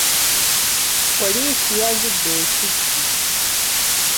Poliisi yazudde ekkisi.